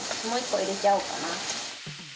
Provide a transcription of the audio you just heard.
もう１個入れちゃおうかな。